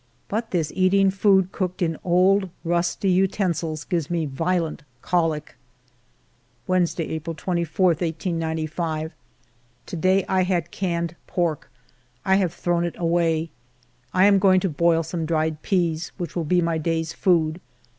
But this eating food cooked in old rusty uten sil's gives me violent colic. Wednesday^ April 24, 1895. To day I had canned pork. I have thrown it away. I am going to boil some dried peas, which will be my day's food.